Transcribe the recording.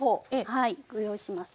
はいご用意しますね。